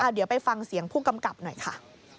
เดี๋ยวไปฟังเสียงผู้กำกับหน่อยค่ะ